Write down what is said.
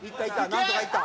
なんとかいった！」